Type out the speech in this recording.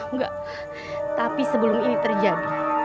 enggak tapi sebelum ini terjadi